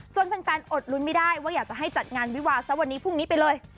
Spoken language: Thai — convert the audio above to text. แฟนอดลุ้นไม่ได้ว่าอยากจะให้จัดงานวิวาซะวันนี้พรุ่งนี้ไปเลย